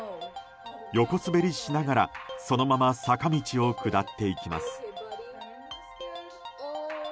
横滑りしながらそのまま坂道を下っていきます。